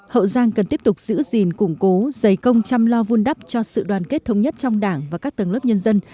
hậu giang cần tiếp tục giữ gìn củng cố giấy công chăm lo vun đắp cho sự đoàn kết thống nhất trong đảng và các tầng lớp nhân dân